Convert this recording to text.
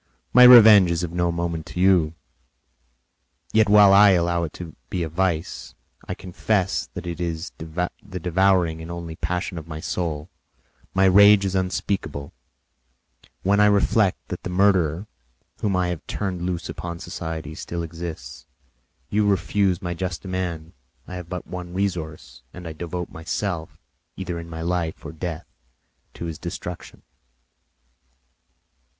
My revenge is of no moment to you; yet, while I allow it to be a vice, I confess that it is the devouring and only passion of my soul. My rage is unspeakable when I reflect that the murderer, whom I have turned loose upon society, still exists. You refuse my just demand; I have but one resource, and I devote myself, either in my life or death, to his destruction."